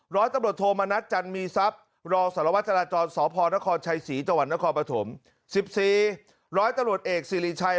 ร้อยตำรวจเอกจาทุนวิทช์ชวานเกลียดติธนา